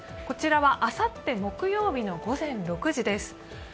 こちらはあさって木曜日の午前６時です。